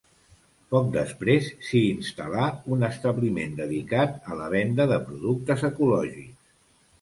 Poc després s'hi instal·là un establiment dedicat a la venda de productes ecològics.